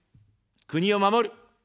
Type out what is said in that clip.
国を守る。